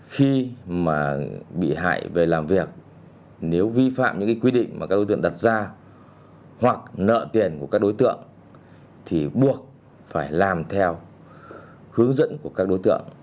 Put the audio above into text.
khi mà bị hại về làm việc nếu vi phạm những quy định mà các đối tượng đặt ra hoặc nợ tiền của các đối tượng thì buộc phải làm theo hướng dẫn của các đối tượng